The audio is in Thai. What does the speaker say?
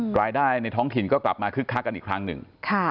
รายได้ในท้องถิ่นก็กลับมาคึกคักกันอีกครั้งหนึ่ง